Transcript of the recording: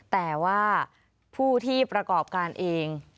แต่ว่าผู้ที่ประกอบการเอง